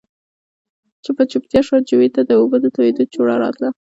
چوپه چوپتيا شوه، جووې ته د اوبو د تويېدو جورړا راتله.